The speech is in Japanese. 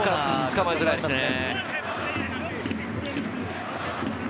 捕まえづらいですね。